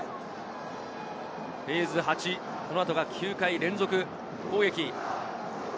フェーズ８、このあとが９回連続の攻撃。